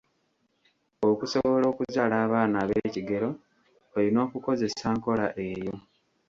Okusobola okuzaala abaana abekigero oyina kukozesa nkola eyo.